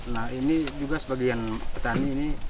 nah ini juga sebagian petani ini